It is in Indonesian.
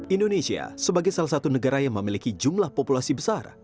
indonesia sebagai salah satu negara yang memiliki jumlah populasi besar